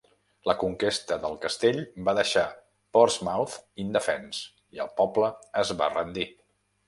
La conquesta del castell va deixar Portsmouth indefens i el poble es va rendir.